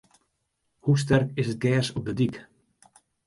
Hoe sterk is it gers op de dyk?